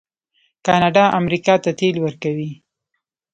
کاناډا امریکا ته تیل ورکوي.